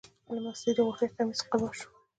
له مستۍ د غوټۍ قمیص قبا شو.